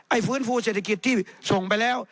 ฟื้นฟูเศรษฐกิจที่ส่งไปแล้ว